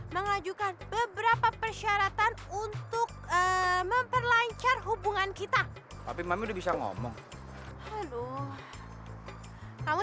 mengajukan beberapa persyaratan untuk memperlancar hubungan kita tapi mami udah bisa ngomong kamu